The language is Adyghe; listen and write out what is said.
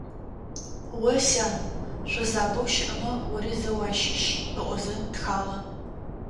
«О, сян, шъузабэу щыӏэмэ ори зэу уащыщ…», - ыӏозэ тхагъэ.